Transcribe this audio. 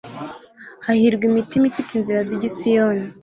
Hahirwa imitima ifite inzira zijya I siyoni